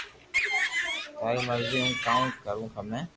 جي تاري مرزي ھون ڪاوُ ڪارو ھمي